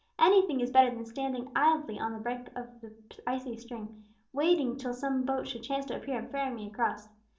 Anything is better than standing idly on the brink of the icy stream, waiting till some boat should chance to appear and ferry me across.